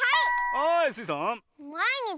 はいスイさん。